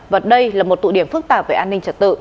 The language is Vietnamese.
và đây là một tụ điểm phức tạp về an ninh trật tự